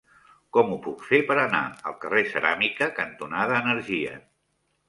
Com ho puc fer per anar al carrer Ceràmica cantonada Energia?